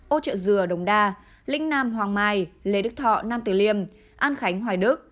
ô trợ dừa đồng đa linh nam hoàng mai lê đức thọ nam tử liêm an khánh hoài đức